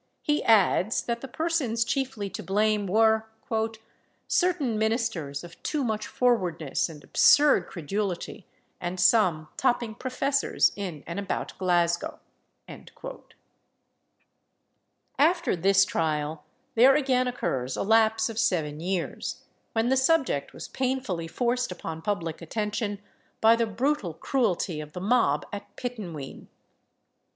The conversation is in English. He adds, that the persons chiefly to blame were "certain ministers of too much forwardness and absurd credulity, and some topping professors in and about Glasgow." Preface to Law's Memorials, edited by Sharpe. After this trial, there again occurs a lapse of seven years, when the subject was painfully forced upon public attention by the brutal cruelty of the mob at Pittenween.